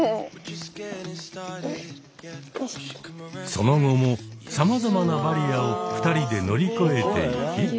その後もさまざまなバリアを２人で乗り越えていき。